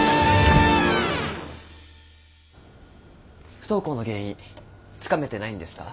不登校の原因つかめてないんですか？